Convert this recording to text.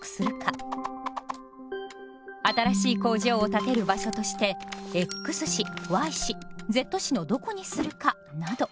新しい工場を建てる場所としてＸ市Ｙ市Ｚ市のどこにするかなど。